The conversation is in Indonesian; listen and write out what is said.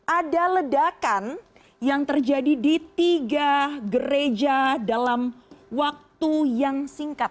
ada ledakan yang terjadi di tiga gereja dalam waktu yang singkat